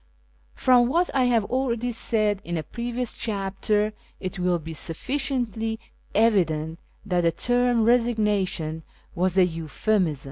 Prom what I have already said in a previous chapter, it will be sufficiently evident that the term " resignation " was a euphemism.